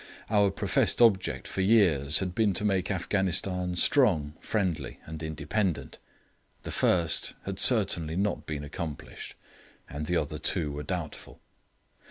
Our professed object for years had been to make Afghanistan strong, friendly, and independent. The first had certainly not been accomplished, and the other two were doubtful.